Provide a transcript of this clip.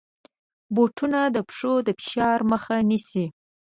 بوټونه د پښو د فشار مخه نیسي.